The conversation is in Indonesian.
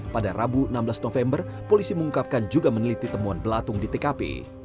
pada rabu enam belas november polisi mengungkapkan juga meneliti temuan belatung di tkp